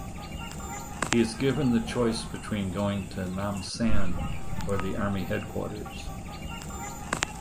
He is given the choice between going to Namsan or the Army Headquarters.